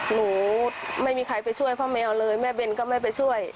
หนูไม่มีใครไปช่วยพ่อแมวเลยแม่เบนก็ไม่ไปช่วย